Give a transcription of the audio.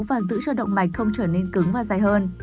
và giữ cho động mạch không trở nên cứng và dài hơn